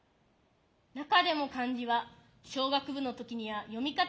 中でも漢字は小学部の時には読み方